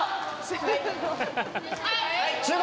集合。